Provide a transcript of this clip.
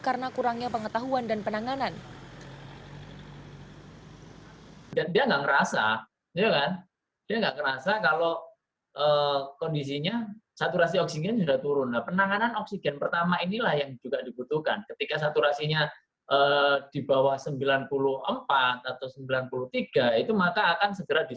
karena kurangnya pengetahuan dan penanganan